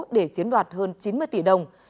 để chiến đoạt hơn chín mươi tỷ đồng